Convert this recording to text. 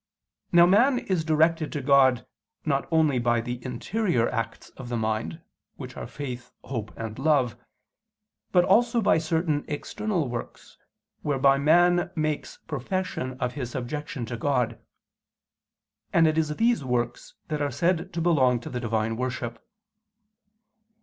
Now man is directed to God not only by the interior acts of the mind, which are faith, hope, and love, but also by certain external works, whereby man makes profession of his subjection to God: and it is these works that are said to belong to the Divine worship.